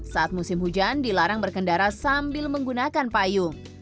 saat musim hujan dilarang berkendara sambil menggunakan payung